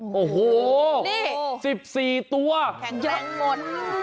โหโห๑๔ตัวแข็งแรงหมด